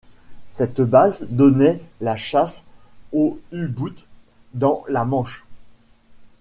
Cette base donnait la chasse aux u-boot dans la Manche.